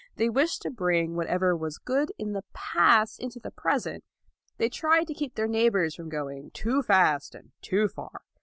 They wished to bring what ever was good in the past into the present. They tried to keep their neighbors from going too fast and too far.